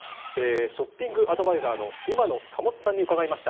ショッピングアドバイザーの今野保さんに伺いました。